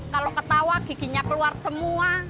kalau ketawa giginya keluar semua